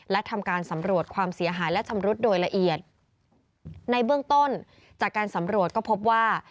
และทำการสำรวจความเสียหายและชำรุดโดยละเอียดในเบื้องต้นจากการสำรวจก็พบว่า